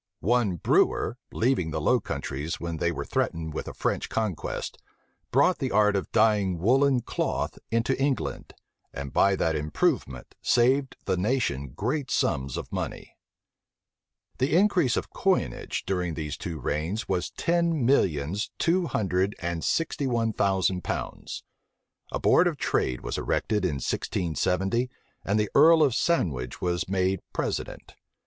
One Brewer, leaving the Low Countries when they were threatened with a French conquest, brought the art of dying woollen cloth into England, and by that improvement saved the nation great sums of money. The increase of coinage during these two reigns was ten millions two hundred and sixty one thousand pounds. A board of trade was erected in 1670; and the earl of Sandwich was made president.